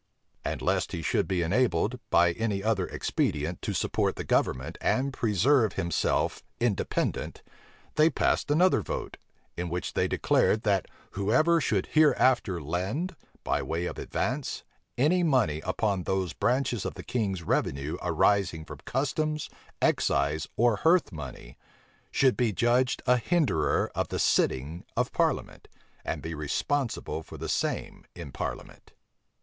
And lest he should be enabled, by any other expedient, to support the government, and preserve himself independent, they passed another vote, in which they declared, that whoever should hereafter lend, by way of advance, any money upon those branches of the king's revenue arising from customs, excise, or hearth money, should be judged a hinderer of the sitting of parliament, and be responsible for the same in parliament.